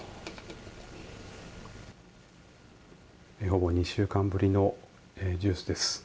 ほぼ２週間ぶりのジュースです。